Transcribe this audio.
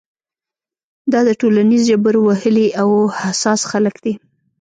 دا د ټولنیز جبر وهلي او حساس خلک دي.